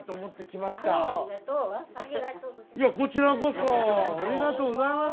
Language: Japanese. いやこちらこそありがとうございます。